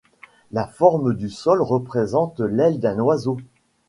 La forme au sol représente l’aile d’un oiseau.